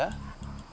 tinggal nunggu aja